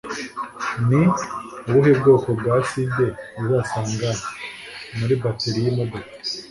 Ni ubuhe bwoko bwa Acide Uzasanga muri Bateri yimodoka